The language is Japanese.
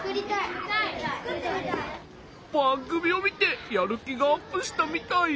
番組を見てやる気がアップしたみたい？